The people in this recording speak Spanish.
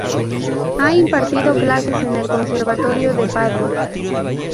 Ha impartido clases en el conservatorio de Padua.